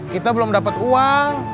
kita belum dapat uang